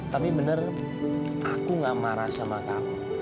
tapi bener aku gak marah sama kamu